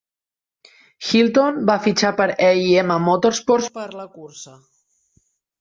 Hylton va fitxar per E i M Motorsports per a la cursa.